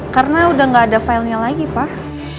karena udah ga ada filenya lagi pak